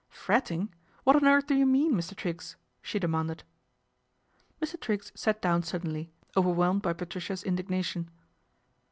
" Fretting ! What on earth do you mean, Mr Triggs ?" she demanded. Mr. Triggs sat down suddenly, overwhelmed ty Patricia's indignation.